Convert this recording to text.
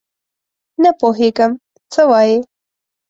نه پوهېږم څه وایې ؟؟